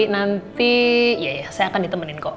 nanti ya saya akan ditemenin kok